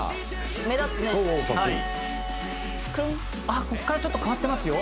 あっここからちょっと変わってますよ。